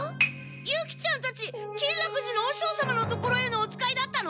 ユキちゃんたち金楽寺の和尚様のところへのおつかいだったの？